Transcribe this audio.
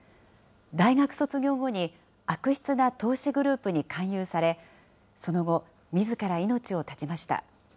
大学卒業後に悪質な投資グループに勧誘され、その後、みずから命を絶ちました。